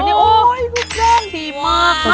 ดูแย่งดีมาก